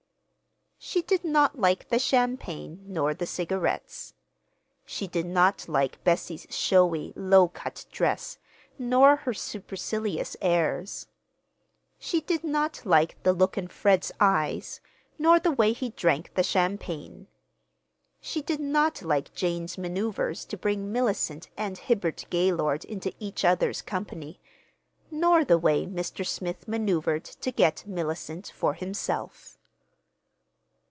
She did not like the champagne nor the cigarettes. She did not like Bessie's showy, low cut dress, nor her supercilious airs. She did not like the look in Fred's eyes, nor the way he drank the champagne. She did not like Jane's maneuvers to bring Mellicent and Hibbard Gaylord into each other's company—nor the way Mr. Smith maneuvered to get Mellicent for himself.